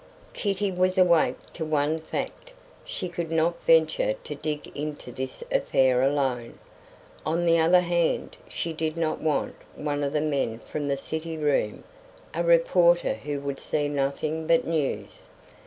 Kitty was awake to one fact. She could not venture to dig into this affair alone. On the other hand, she did not want one of the men from the city room a reporter who would see nothing but news.